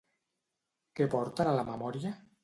Què porten a la memòria?